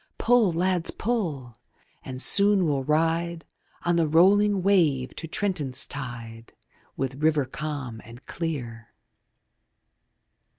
Pull, lads, pull! and soon we'll ride On the rolling wave to Trenton's tide With river calm and clear.